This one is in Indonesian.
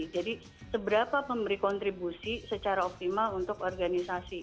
jadi seberapa memberi kontribusi secara optimal untuk organisasi